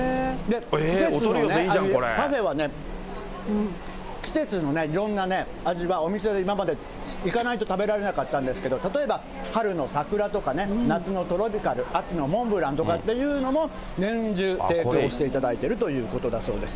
季節のパフェはね、季節のいろんなね、味は、お店に行かないと食べられなかったんですけど、例えば春の桜とかね、夏のトロピカル、秋のモンブランとかっていうのも年中提供していただいているということだそうです。